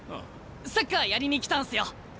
サッカーやりに来たんすよ。